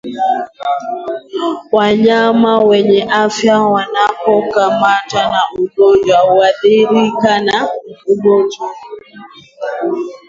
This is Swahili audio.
Wanyama wenye afya wanapokutana na wagonjwa huathirika na ugonjwa